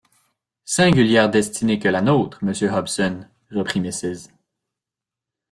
Singulière destinée que la nôtre, monsieur Hobson! reprit Mrs.